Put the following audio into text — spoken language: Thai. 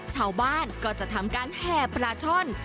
ชาวบ้านก็จะทำการแห่ปลาช่อน